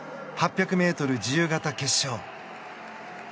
８００ｍ自由形決勝。